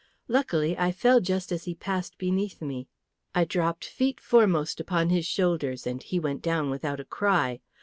Luckily I fell just as he passed beneath me; I dropped feet foremost upon his shoulders, and he went down without a cry.